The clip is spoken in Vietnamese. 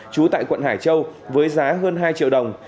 trú tại quận hải châu với giá hơn hai triệu đồng